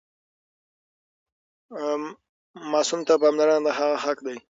ماسوم ته پاملرنه د هغه حق دی.